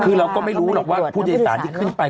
คือเราก็ไม่รู้หรอกว่าผู้โดยสารที่ขึ้นไป